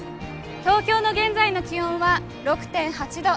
東京の現在の気温は６．８度。